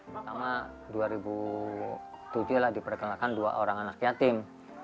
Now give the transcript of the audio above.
pertama dua ribu tujuh lah diperkenalkan dua orang anak yatim